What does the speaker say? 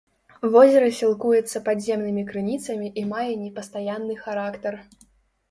Возера сілкуецца падземнымі крыніцамі і мае непастаянны характар.